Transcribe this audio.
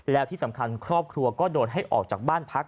แล้วที่สำคัญครอบครัวก็โดนให้ออกจากบ้านพัก